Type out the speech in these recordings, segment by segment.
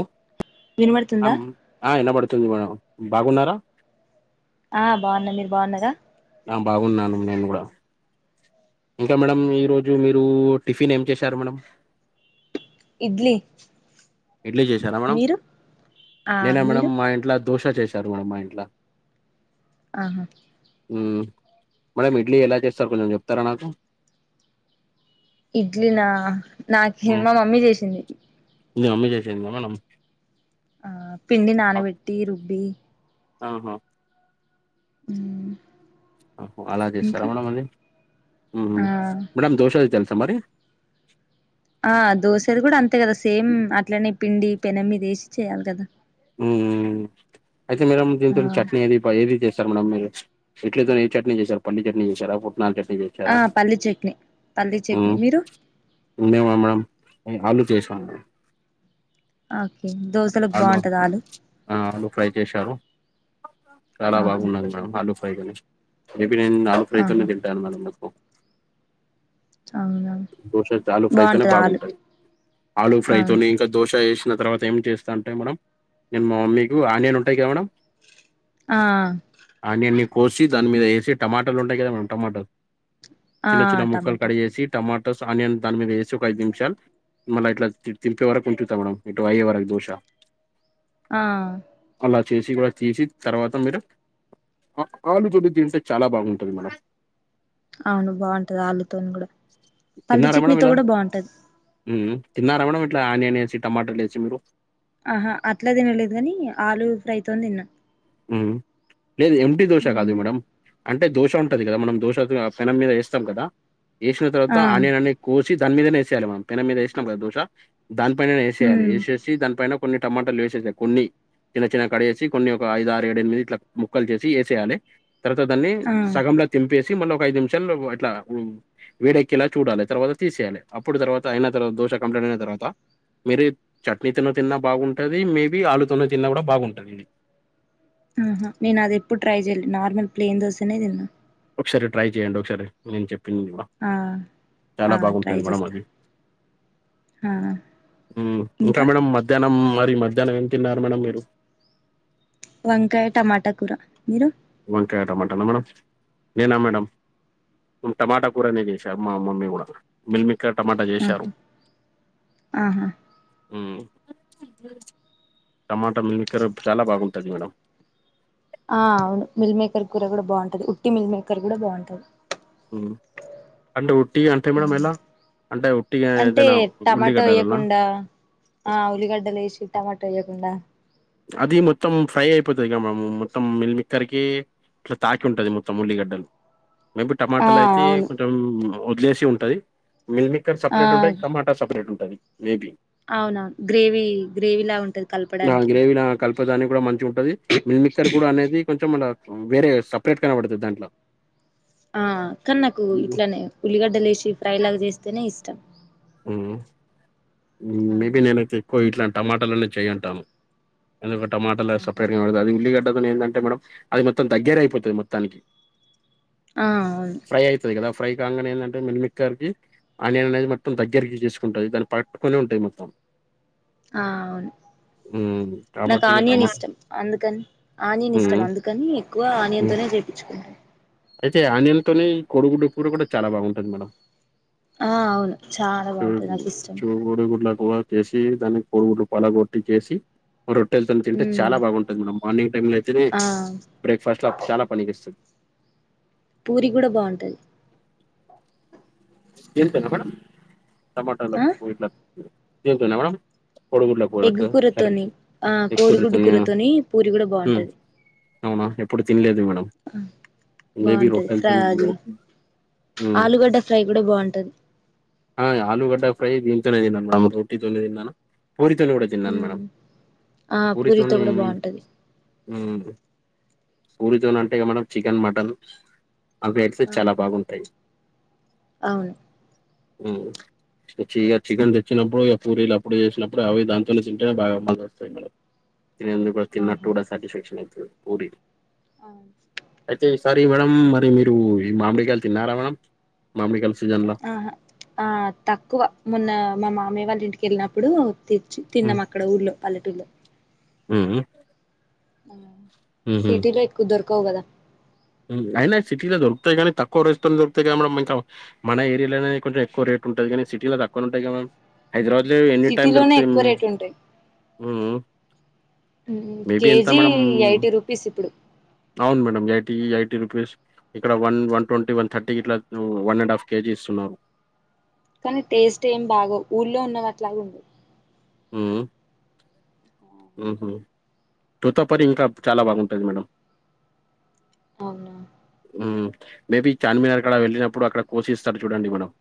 ఉమ్ వినబడుతుందా అమ్మ్ ఆ ఇనపడుతుంది మేడం బాగున్నారా ఆ బాగున్న మీరు బాగున్నరా ఆ బాగున్నాను నేను కూడ ఇంకా మేడమ్ ఈ రోజు మీరు టిఫిన్ ఏం చేశారు మేడం ఇడ్లీ ఇడ్లీ చేశారా మేడం మీరు ఆ నేనా మేడం మీరు మా ఇంట్లో దోశ చేశారు మేడం మా ఇంట్లో అను ఊ మేడం ఇడ్లీ ఎలా చేస్తారు కొంచెం చెప్తారా నాకు ఇడ్లీ నా నాకేం హ్మ్. మా మమ్మీ చేసింది మీ మమ్మీ చేసిందా మేడం ఆ పిండి ఆ! నానబెట్టి రుబ్బి [unintelligible] ఊ ఊహూ అలా చేస్తారా మేడం అది ఊహు ఆ మేడం దోషె [inaudible] తెలుసా మరి ఆ దోశెలు కూడా అంతే కదా సేమ్ అట్లనే పిండి పెనం మీద ఏసి చేయాలి కదా ఊ అయితే మేడం మీరు దీనితోని ఆ చట్నీ అది [inaudible] ఏది చేస్తారు మేడం మీరు షిట్లీతోనే ఏ చట్నీ చేశారు పల్లీ చట్నీ చేశారా పుట్నాలు చట్నీ చే పల్లీ చట్నీ పల్లీ చట్నీ మీరు మేమా మేడం ఆలూ చేసా [inaudible] ఆకే దోశెలకు ఆలు బావుంటాది ఆలూ ఆ ఆలూ ఫ్రై చేశారు చాలా ఆహా బాగున్నది మేడం ఆలూ [unintelligible] ఆలూ ఫ్రై తోనే ఆహా తింటాను మేడం [inaudible] ఆవునా దోశెలుతో ఆలూ ఫ్రై తోనే బాగుంటది ఆలూ ఫ్రై అవును తోనే ఇంకా దోశ ఏసిన తర్వా త ఏం చేస్తా అంటే మేడం నేను మా మమ్మీకి ఆనియన్ ఉంటాయి కదా మేడం ఆ అనియన్ ‌ని కోసి దాని మీద ఏసి టమాటలు ఉంటాయి కదా మేడం టమాటా ఆ చిన్న చిన్న ముక్కలు టమాటో కట్ చేేసి టమాటోస్ ఆనియన్ దాని మీద ఏసి ఒక ఐదు నిమిషాలు మళ్ళా ఇట్లా తిడి తింపే వరకు ఉంటుతా మేడం ఇటు అయ్యేవరకి దోష ఆ అలా చేసి కూడా తీసి తర్వాత మీరు అ ఆలూ [unintelligible] తింటే చాలా బాగుంటుంది మేడం అవును బావుంటది ఆలూ తోని కూడా పల్లీ తిన్నరా మేడం చట్నీతో ఇలా కూడా బాగుంటది ఊ ఊ తిన్నరా మేడం ఇట్లా ఆనియన్ ఏసి టమాటాలు ఏసి మీరు ఆహా అట్లా తినలేదు కానీ ఆలూ ఫ్రైతోని తిన్నా ఊ లేదు ఎమ్టీ దోశ కాదు హ్మ్ మేడం అంటే దోశె ఉంటది కదా మనం దోశె పెనం మీద ఏస్తాం కదా ఏసిన తర్వాత ఆ ఆనియన్‌ అన్నీ కోసి దాని మీదనే ఏసేయాలి మనం పెనం మీద ఏసినాం కదా దోశ దానిపైననే ఏసేయాలి ఉమ్ ఏసేసి దాని పైన కొన్ని టమాటలు వేసేసా కొన్ని చిన్న చిన్న కట్‌ చేసి కొన్ని ఒక ఐదు ఆరు ఏడు ఎనిమిది ఇట్లా ముక్కలు చేసి ఏసేయాలి తర్వాత దాన్ని ఆ సగంల తింపేసి మళ్ళ ఒక ఐదు నిమిషాలు ఇట్లా ఉం వేడెక్కేలా చూడాలె తర్వాత తీసేయాలె అప్పుడు తరువాత అయిన తర్వాత దోశ కంప్లీట్ అయిన తర్వాత మీరే చట్నీతోనే తిన్నా బాగుంటది మేబీ ఆలూతోను తిన్నా కూడా బాగుంటది ఊ హా నేను అది ఎప్పుడూ ట్రై చెయ్యలే నార్మల్ ప్లెయిన్ దోశనే తిన్ ఒకసారి ట్రై చేయండి ఒకసారి నేను చెప్పింది కూడా ఆ ఆ చాలా బాగుంటది మేడం అది హా [inaudible] ఊ ఇంకా మేడం మధ్యానం మరి మధ్యానం ఏం తిన్నారు మేడం మీరు వంకాయ టమాటా కూర మీరు వంకాయ టమాటా నా మేడం నేనా మేడం ఉ టమాటా కూరనే చేశారు మా మమ్మీ కూడా మిల్మి టమాట జేశారు ఆహా ఆహా ఉమ్ టమాట మిల్‌కరబ్ చాలా బాగుంటది మేడం ఆ అవును మిల్ మేకర్ కూర గూడా బాగుంటది ఉట్టి మిల్ మేకర్ గూడా బాగుంటది ఉమ్ అంటే ఉట్టియి అంటే మేడమ్ ఎలా అంటే ఉట్టిగా అంటే ఏదైనా టమాటో ఉల్లిగడ్డలనా వేయకుండా ఆ ఉల్లిగడ్డలు యేషి టమాట వేయకుండా అది మొత్తం ఫ్రై అయిపోతదిగా మేడం మొత్తం మిల్ మేకర్కి ఇట్లా తాకి ఉంటది మొత్తం ఉల్లిగడ్డలు మేబీ ఆ టమాటలు అయితే అవును కొంచెం వదిలేసి ఉంటది మిల్ మె కర్ ఆ సపరేట్ ఉంటది టమాటా సపరేట్ ఉంటది మేబీ అవును అవును గ్రేవీ గ్రేవీ లా ఉంటది కలపడానికి ఇలా కల్పడానికి గూడా మంచి గుంటది మిల్ మికర్ గూడా అనేది కొం తే మళ్ళ వేరే సపరేట్ కనబడతది దాంట్లో ఆ కానీ నాకు ఇట్లనే ఉల్లిగడ్డలేసి ఫ్రై లాగా జేస్తనే ఇష్టం ఉమ్ ఆ మేబీ నేనైతే ఎక్కువ ఇట్లా టమాటాలనే చేయ్యంటాను ఎందుక టమాటాల ఆహా! సపరేట్ గనపడతది అది ఉల్లిగడ్డలనే ఎదంటే మేడం అది మొత్తం దగ్గర అయిపోతది మొత్తానికి ఆ అవును ఫ్రై అయితది గదా ఫ్రై కాంగనే ఏందంటే మిల్‌మిక్కర్‌కి ఆనియన్ అనేది మొత్తం దగ్గరికి దీసుకుంటది దాని పట్ కొని ఉంటాయి మొత్తం ఆ అవును మ్మ్ నాకు కాబట్టి ఇగ ఆనియన్ టమాటా ఇష్టం అందుకని ఆనియన్ ఇష్టం మ్మ్ అందుకని ఎక్కువ ఆనియన్ మ్మ్ తోనే జేపిచ్చుకుంటాం అయితే ఆనియన్ తోని కోడిగుడ్ కూర గూడా చాలా బాగుంటది మేడం ఆ అవును చాలా బాగుంటది నాకు ఇష్టం కోడిగుడ్ల కూర చేసి దానికి కోడిగుడ్లు పలగొట్టి చేసి రొట్టెలతో తింటే ఉమ్ చాలా బాగుంటది మేడమ్ మార్నింగ్ టైమ్ లో అయితేనే ఆ బ్రేక్ఫాస్ట్ ల చాలా పని జేస్తది పూరి గూడా బాగుంటది దీంట్లోనా మేడం టమాటోలో ఆ పూరి ఇట్ల దీంట్లోనా మేడం కోడిగుడ్ల ఎగ్ కూరకా కర్రీ కూరతోని ఆ కోడిగుడ్డు ఎక్కువడ్రుతయ్యా కూరతోని పూరి కూడా ఉమ్ బాగుంటది అవునా ఎప్పుడు తినలేదు మేడం ఆ మేబీ బాగుంటది ఫ్రా రొట్టెలతోనే అది ఉమ్ ఆలుగడ్డ ఫ్రై కూడా బాగుంటది ఆ ఆలుగడ్డ ఫ్రై దీనితోనే దిన్నాను మేడం రోటితోనే దిన్నాను పూరి తోని గూడ తిన్నాను మేడం ఉమ్ ఆ పూరితో పూరితోని కూడా బాగుంటది ఉమ్ పూరితోనంటే ఇగ మనం చికెన్ మటన్ అవేస్తే చాలా బాగుంటయ్ అవును ఉమ్ చీయ చికెన్ దెచ్చినప్పుడు ఇగ పూరీలు అప్పుడు జేసినప్పుడు అవి దాంతోనే తింటేనే బాగా మజా వస్తాయి మేడం తినే అందుకు గూడా తిన్నట్టు ఆహా గూడ సాటిస్ఫాక్షన్ అయితది పూరీలు అవును అయితే ఈ సారి మేడం మరి మీరు ఈ మామిడికాయలు తిన్నారా మేడం మామిడి కాయల సీజన్ ల ఆహా ఆ తక్కువ మొన్న మా మామయ్య వాళ్ళ ఇంటికెళ్ళినప్పుడు తెచ్చి తిన్నమ క్కడ ఊర్లో పల్లెటూర్లో ఉమ్ ఊ సిటీలో ఎక్కువ దొరకవుగదా అయినా సిటీలో దొకుతయి కానీ తక్కువ రైస్లు దొకుతాయి కానీ మనడం ఇంకా మన ఏరియాలోనే కొంచెం ఎక్కువ రేట్ ఉంటుది కానీ సిటీలో తక్కువ ఉంటయి కదా హైదరాబాద్ లో ఎన్ని టైమ్ సిటీలోనే దొరుకుతయి ఎక్కువ అండి రేటు ఉంటాయి ఊ ఊ మేబి ఎంత కేజీ మేడ ఎయిటీ రూపీస్ ఇప్పుడు అవును మేడం లేట్ ఈ ఎయిటీ రూపీస్ ఇక్కడ one one twenty one thirty ఇట్లా వన్ అండ్ హాఫ్ కేజీ ఇస్తున్నారు కానీ టేస్ట్ ఏం బాగోవ్ ఊళ్ళలో ఉన్నవి అట్లాగ ఉండదు హుమ్మ్ ఉహూ తోతాపురి ఇంకా చాలా బాగుంటుంది మేడమ్ అవునా మేబీ చార్మీినార్క్డ వెళ్ళినప్పుడు అక్కడ కోసి ఇస్తారు చూడండి మేడమ్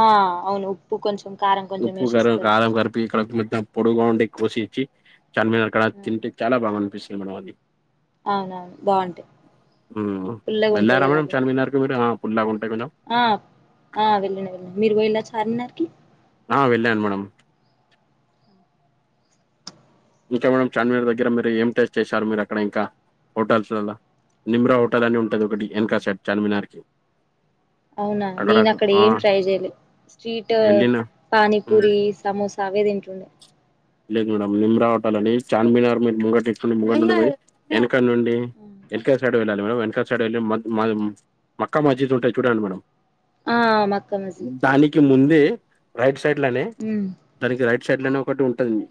ఆ అవును ఉప్పు కొంచెం కారం కొంచెం ఉప్పు వేసి కర ఇస్తారు కారంకలిపి ఇక్కడ తినేద్దాం పొడుగుగా ఉంటే కోసి ఇచ్చి చార్మీనర్ కాడ తింటే చాలా బాగా అనిపిస్తుంది మేడం అది అవునవును బాగుంటాయి ఫుల్లగా ఉంటాయి కదా అవి [unintelligible] పుల్లగుంటాయ్ కొంచెం ఆ ఆ వెళ్ళం వెళ్ళ మీరు పోయివచ్చర చార్న్నారుకి ఆ వెళ్ళాను మేడమ్ ఇంకా మేడమ్ చార్మినార్ దగ్గర మీరు ఏం టేస్ట్ చేశారు మీరు అక్కడ ఇంకా హోటల్స్లో నిమ్రా హో చుట్టదన్ని ఉంటుది ఒకటి ఎన్కాసెట్ చార్మినార్కి అవునా నేను అక్కడ ఏం ట్రై చేయలే స్ట్రీట్ వెళ్ళిన హ్మ్. పానీపూరి సమోసా తాగేది ఇంట్లోనే లేదు మేడమ్ నిమ్రా హోటల్ అని చార్మినార్ మీరు ముగటిటుడి ముండి వెనక నుండి హ్మ్. వెనకాల సైడ్ వెళ్ళాలి మేడం వెనకాల సైడ్ వెళ్ళి మక్కా మస్జిద్ ఉంటాయి చూడండి మేడం ఆ మక్క మసీద్ తెలుసు ముందుంది రైట్ సైడ్ లోనే ఉమ్ దానికి రైట్ సైడ్ లోనే ఒకటి ఉంట ఉంది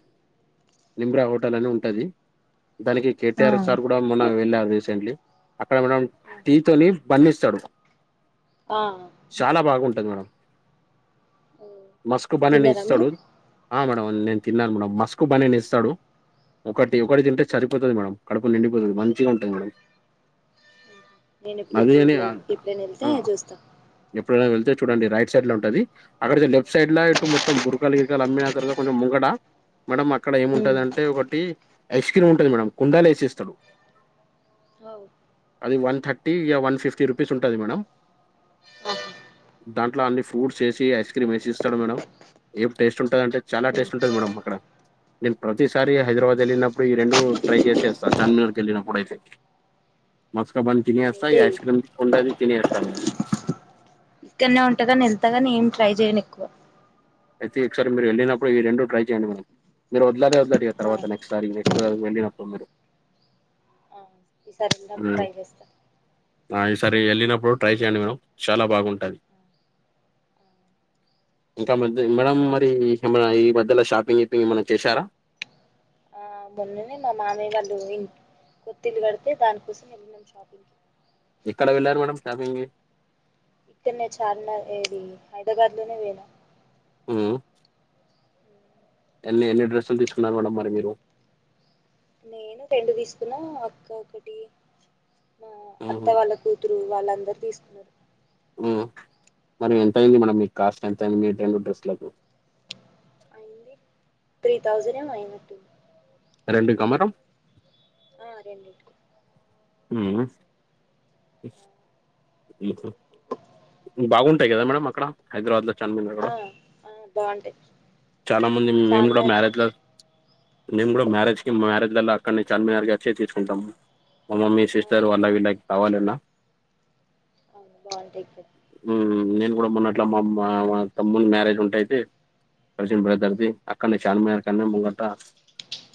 నిమ్రా హోటల్ అని ఉంటది దానికి ఆ కేటిఆర్ సార్ కూడా మన్న వెళ్ళారు రీసెంట్లీ అక్కడ మనం ఆహా! టీ తోని బన్ ఇస్తాడు ఆ చాలా బాగుంటది మేడం మస్క్ బన్నని తిన్నారా మీరు ఇస్తాడు ఆ మేడం నేను తిన్నాను మేడంమ్ మస్క్ బన్నని ఇస్తాడు ఒకటి ఆ ఒకటి తింటే సరిపోతుంది మేడం కడపులు నిండిపోతుంది మంచిగా ఉంటుంది మేడం నేను ఎప్పుడు అదే అని చూడలేదు ఎప్పుడైనా వెళ్తే ఆ చూస్తాను ఎప్పుడైనా వెళ్తే చూడండి రైట్ సైడ్ లో ఉంటది అక్కడైతే లేట్ సైడ్లా ఇటు మత్తం బుర్కాలు గిర్కాల్ అమ్మిన ఆ తర్వాత కొంచం ముంగడా మేడం అక్కడ ఉమ్ ఏముంటందింటే ఒకటి ఐస్ క్రీమ్ ఉంటుంది మేడం కుండలు వేసిస్తాడు అవు అది one thirty yeah one fifty rupees ఉంటుంది మేడమ్ ఆహా దాంట్లో అన్ని ఫ్రూట్స్ వేసి ఐస్ క్రీమ్ వేసి ఇస్తాడు మేడం ఏం టేస్ట్ ఉంటదటే చాలా ఉమ్ టేస్ట్ ఉంటది మేడమ్ అక్కడ నేను ప్రతిసారి హైదరాబాద్ వెళ్ళినప్పుడు ఈ రెండు ట్రై చేసేస్తాను చార్మీనార్కి వెళ్ళినప్పుడు అయితే మస్కాబన్ తినేస్తా ఈ నేనైతే ఆఐస్క్రీమ్ కుండది తినేస్తా మేడమ్ ఇక్కడనే ఉంటగానీ వెళ్తాగాని ఏం ట్రై చేయను ఎక్కువ అయితే ఒకసారి మీరు వెళ్ళినప్పుడు ఈ రెండు ట్రై చేయండి మేడం మీరు వద్లానే వద్లారు ఆ తర్వాత నెక్స్ట్ సారి చూడ్డానికి వెళ్ళినప్పుడు మీరు ఈ సారిం ఇంకా ట్రై చేస్తా అ ఈసారి వెళ్ళినప్పుడు ట్రై చెయ్యడి మేడం చాలా బాగుంటది ఇంక మధ్య ఇ మేడం ఇంకా మరి ఏమన్న ఈ మధ్యల షాపింగ్ గిపింగ్ ఏమన్నా చేశారా ఆ మొన్ననే మా మామయ్య వాళ్ళు ఇంట్ కొత్తిఇల్లు కడితే దానికోసం ఎళ్ళినం షాపింగ్ కి ఎక్కడ వెళ్ళారు మేడం షాపింగ్కి ఇక్కన్నే చార్మినార్ ఏది హైదరాబాద్ లోనే పోయినా ము ఎల్లీ ఎన్ని డ్రెసులు తీసుకున్నారు మేడం మరి మీరు నేను రెండు తీసుకున్నా అక్క ఒకటి ఆ హుహు. అత్తయ్యా వాళ్ళకు కూతురు వాళ్ళందరు తీసుకున్నారు. ఊ మరి ఎంత అయింది మేడం మీ కాస్ట్ ఎంత అయింది మీ రెండు డ్రెస్సులకు అయింది త్రీ థౌజండ్ ఏమో అయినట్టుంది. రెండు క మేడం ఆ రెండిటికి ఊ.. ఉ.. ఊ ఉ ఊ బాగుంటాయి గదా మేడం అక్కడ హైదరాబాద్ ఆ లో ఆ బాగుంటాయి [inaudible] చానమంది మేము గూడ చార్మినార్ మ్యారేజ్ ల మేము గూడ మ్యారేజ్ కి మ్యారేజ్ల్ల అక్కన్నె చార్మినార్ అచ్చే చేర్చుకుంటాం. మా మమ్మీ ఆ సిస్టర్ వాళ్ళ బాగుంటాయి వీళ్ళకి కావాలున్నా! అవును బావుంటాయి ఇక్కడ మ్ నేను గుడా మొన్న అట్లా మా అమ్మా మా తమ్ముని మ్యారేజ్ ఉంటయితే కసిన్ బ్రద్దర్ది అక్కడనే చార్మినార్ కన్న ముంగట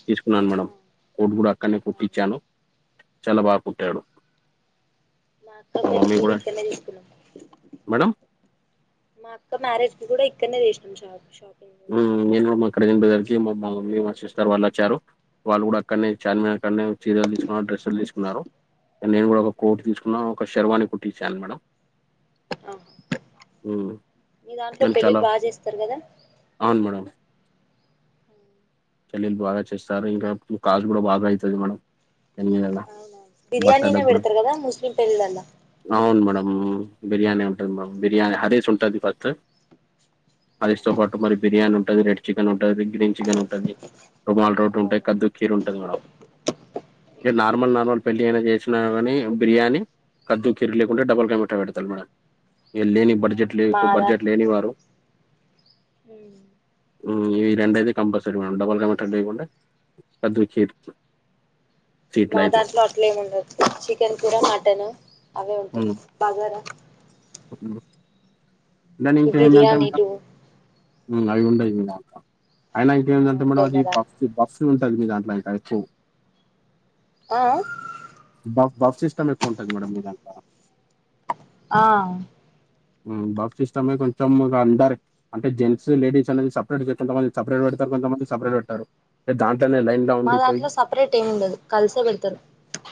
తీసుకున్నాను ఆ మేడం కోర్ట్ గూడ అక్కడనే అవును కుట్టిచ్చాను. చాలా బాగ కుట్టాడు. మాక్క మా పెళ్లి మమ్మీ గూడ గూడా ఇక్కన్నె తీసుకున్నం. మేడం మా అక్క మ్యారేజ్ కు గూడ ఇక్కడనే చేసినం షాప్ షాపింగ్ ఊ నేను మా కసిన్ బ్రదర్ కి మా మమ్మీ మా సిస్టర్ వాళ్ళు అచ్చారు. వాళ్ళు గూడ అక్కడనే చార్మీన్ కాన్నే చీరలు తీసుకున్నారు డ్రెస్సులు తీసుకున్నారు ఇగ నేను గుడా ఒక కోట్ తీసుకున్నాను ఒక షర్వాని కుట్టించాను మేడం అ హ్మ్. మీ దాంట్లో కానీ చాలా పెళ్ళిళ్ బాగ చేస్తారు గదా అవును మేడం పేల్లిళ్లు బాగా చేస్తారు ఇంకా కాస్ట్ గూడ బాగా అయితది మేడం దాని మీద అవునా బిర్యానీనే బట్టలకు గూడా. బెడతరు కదా ముస్లిం పెళ్ళిలలా అవును మేడమ్ బిర్యానే ఉంటది మేడమ్ బిర్యానీ హరీస్ ఉంటది ఫస్ట్ హరిస్ తో పాటు మరి బిర్యానీ ఉంటది, రెడ్ చికెన్ ఉంటది, గ్రీన్ చికెన్ ఉంటది. రుమాల్ రోడ్ ఉంటయి అవునవును కద్దు కీరు ఉంటది. మేడం ఇగ నార్మల్ అవును నార్మల్ పెండ్లి ఏదైనా జేశిన కాని బిర్యానీ కద్దు కీరీ లేకుంటే డబల్ కమీట పెడతరు మేడం ఇగ లేని ఆ, బడ్జెట్ లేకు మాదా బడ్జెట్ లేని వారు ఉ ఈ రెండైతే కంపల్సరీ మేడం డబల్ కమిట లేయకుంటే కద్దు కీర్ మా స్వీట్లు అయితే దాంట్లో అట్లేముండదు చికెన్ కూర మటను అవ్వే ఒండుతరు భగార ఉండు ఈ దనింకేందట ఇంకా బిర్యానీలు ఊ అవి ఉండయి ఇంగ అయినా ఆ, ఇంకేందంట మేడం ఉండవు మా అది పఫ్ దాంట్లో భాఫ్ట్స్ ఉంటది మీ దాంట్లో ఐతే ఎక్కువ ఆ.. ఆ బఫ్ బఫ్ సిస్టమ్ ఎక్కువ ఉంటంది మేడం మీదాంట్ల ఆ ఊ బఫ్ సిస్టమే కొంచెం ఇగ అందరి అంటే జెంట్సు లేడీస్ అనేది సపరేట్ గా కొంతమంది సపరేట్ పెడతారు కొంతమంది సపరేట్ పెట్టరు దాంట్లోనే లైన్ లో మా ఉండిపోయి దాంట్లో సపరేట్ ఏమి ఉండదు కలిసే పెడతారు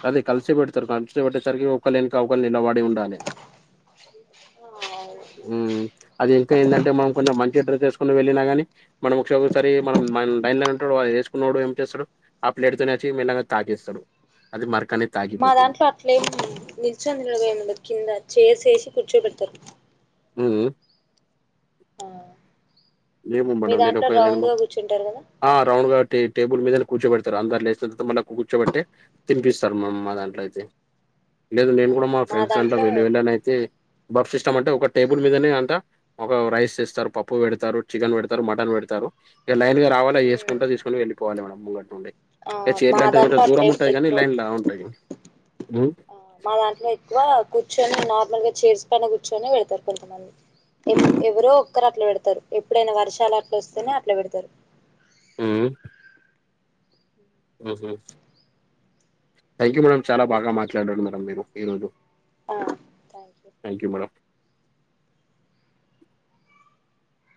అదే కలిసే పెడతారు కలిసి పెట్టేసరికి ఒకలెనుక ఒకల్ నిలబడి ఉండాలె ఆ అవు ఊ అది ఇంకా ఏందంటే మనం కొంచెం మంచిగా డ్రెస్ చేసుకుని వెళ్ళినా గాని మనం ఒకసే ఒకసారి మనం మన డైన్లో నే ఉంటాడు వా ఏసుకునోడు ఏం చేస్తాడు ఆ ప్లేట్ తోనే వచ్చి మెల్లంగా తాకేస్తాడు అది మరకనే మా దాంట్లో అట్లేం నిల్చోని తినడం ఏం ఉండదు కింద చైర్స్ ఏసి కూర్చోబెడతారు ఊ ఊ ఏమో మీ మేడం నేను దాంట్లో ఒక నేను రౌండ్గా కూర్చుంటారు కదా ఆ రౌండ్ గా టే టేబుల్ మీదనే కూర్చోబడతారు అందరు లేేసిన తరాత మళ్ళ కూర్చోబెట్టి తినిపిస్తారు మ మా దాంట్లో అయితే లేదు నేను కూడా మా ఫ్రెండ్స్ దాంట్లో వెళ్ళి వెళ్ళానైతే బఫ్ సిస్టమ్ అంటే ఒక టేబుల్ మీదనే అంతా ఒక రైస్ తెస్తారు పప్పు పెడతారు చికెన్ పెడతారు మటన్ పెడతారు ఇక లైన్గా రావాలా మ్ ఏసుకుంటా తీసుకొని వెళ్ళిపోవాలె మనం ముంగటి నుండి ఆ టే చేర్లు మా అంటే కూడా దాంట్లో దూరం అట్లేం ఉంటాయి కానీ ఎక్కువ లైన్ లా ఉంటాయి బూ ఆ మా దాంట్లో ఎక్కువ కూర్చొని నార్మల్ గా చైర్స్ పైన కూర్చొని పెడతారు కొంతమంది ఎవ్ ఎవరో ఒక్కరు అట్లా పెడతారు ఎప్పుడైనా వర్షాలు అట్లా వస్తేనే అట్లా పెడతారు ఊ ఊహు థ్యాంక్ యూ మేడం చాలా బాగా ఓకే అమ్మ మాట్లాడాడు మేడం మీరు ఈ రోజు ఆ థ్యాంక్ యూ మేడం